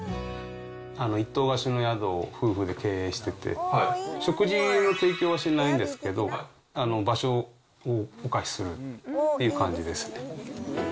一棟貸しの宿を夫婦で経営してて、食事の提供はしないんですけど、場所をお貸しするっていう感じですね。